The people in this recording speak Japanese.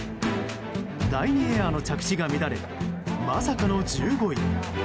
第２エアの着地が乱れまさかの１５位。